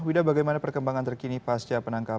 wida bagaimana perkembangan terkini pasca penangkapan